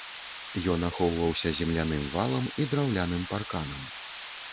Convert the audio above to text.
Ён ахоўваўся земляным валам і драўляным парканам.